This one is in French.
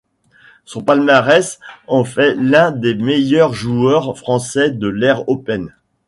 Son palmarès en fait l'un des meilleurs joueurs français de l'ère Open.